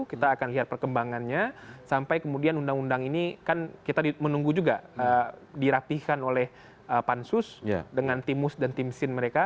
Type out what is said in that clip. kita akan lihat perkembangannya sampai kemudian undang undang ini kan kita menunggu juga dirapihkan oleh pansus dengan timus dan timsin mereka